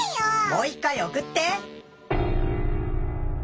もう一回おくって！